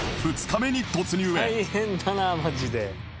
大変だなマジで。